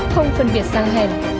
không phân biệt sang hèn